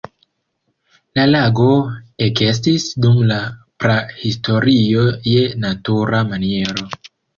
La lago ekestis dum la prahistorio je natura maniero.